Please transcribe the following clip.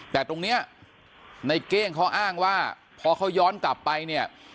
แต่ตรงนี้ในเก้งเขาอ้างว่าพอเขาย้อนกลับไปเนี่ย